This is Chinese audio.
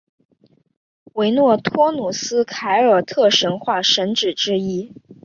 维诺托努斯凯尔特神话神只之一。